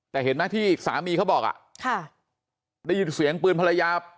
แต่เห็นไหมที่สามีเขาบอกอ่ะค่ะได้ยินเสียงปืนภรรยา